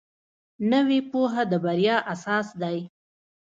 نوې پوهه د بریا اساس دی